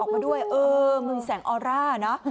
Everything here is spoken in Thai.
ออกมาด้วยมึงแสงออร่านะ